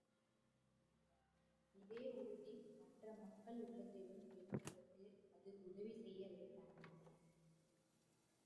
இதே உறுதி மற்ற மக்கள் உள்ளத்திலும் எழுவதற்கு அது உதவி செய்ய வேண்டாமா?